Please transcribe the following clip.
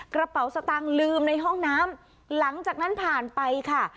กระเป๋าสตางค์ลืมในห้องน้ำหลังจากนั้นผ่านไปค่ะ